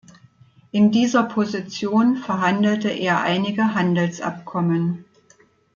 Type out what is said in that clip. In dieser Position verhandelte er einige Handelsabkommen.